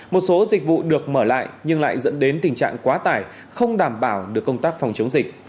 một số dịch vụ được mở lại nhưng lại dẫn đến tình trạng quá tải không đảm bảo được công tác phòng chống dịch